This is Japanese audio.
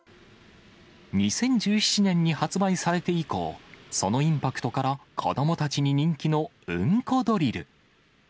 ２０１７年に発売されて以降、そのインパクトから、子どもたちに人気のうんこドリル。